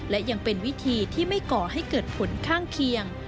และยังเป็นวิธีที่ไม่ก่อให้เกิดผลข้างเคียง